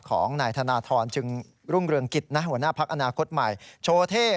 กรณีนี้ทางด้านของประธานกรกฎาได้ออกมาพูดแล้ว